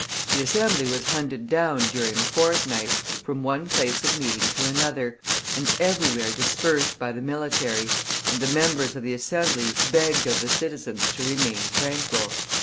The Assembly was hunted down during a fortnight, from one place of meeting to another, and everywhere dispersed by the military, and the members of the Assembly begged of the citizens to remain tranquil.